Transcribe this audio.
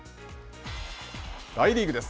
大リーグです。